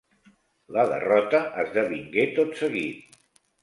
La derrota esdevingué tot seguit.